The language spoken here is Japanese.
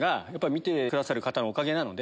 見てくださる方のおかげなんで。